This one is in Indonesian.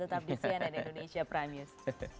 tetap di cnn indonesia prime news